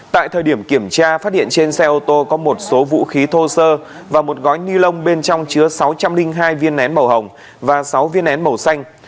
tại thời điểm kiểm tra phát hiện trên xe ô tô có một số vũ khí thô sơ và một gói ni lông bên trong chứa sáu trăm linh hai viên nén màu hồng và sáu viên nén màu xanh